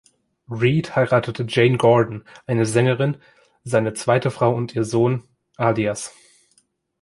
Reid heiratete Jane Gordon, eine Sängerin; seine zweite Frau und ihr Sohn, alias